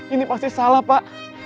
ini pasti salah pak